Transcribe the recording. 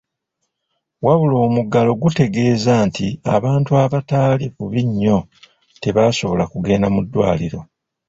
Wabula omuggalo gutegeeza nti abantu abataali bubi nnyo tebaasobola kugenda mu ddwaliro.